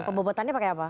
pembebotannya pakai apa